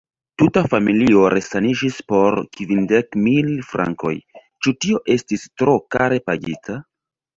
Tuta familio resaniĝis por kvindek mil frankoj: ĉu tio estis tro kare pagita?